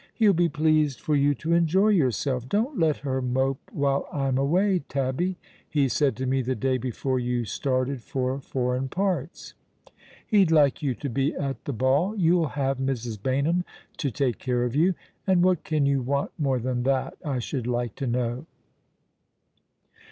" He'll be pleased for you to enjoy yourself. 'Don't let her mope while I'm away, Tabby,' he said to me the day before you started for foreign parts. He'd like you to be at the ball. You'll have Mrs. Baynham to take care of you, and what can you want more than that, I should like to know